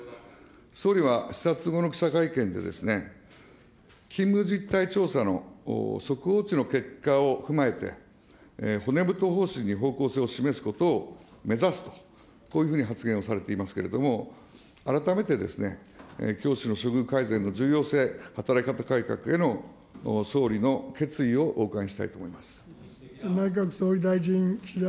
総理は視察後の記者会見でですね、勤務実態調査の速報値の結果を踏まえて、骨太方針に方向性を示すことを目指すと、こういうふうに発言をされていますけれども、改めてですね、教師の処遇改善の重要性、働き方改革への総理の決意をお伺いしたいと思います。